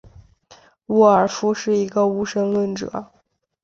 沃尔夫是一个无神论者。